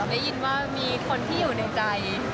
ได้ยินว่ามีคนที่อยู่ในใจ